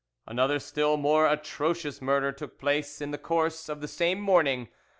"Another still more atrocious murder took place in the course of the same morning.